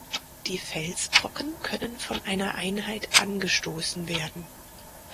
Die Felsbrocken können von einer Einheit angestoßen werden.